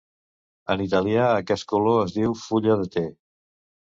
En italià aquest color es diu fulla de te.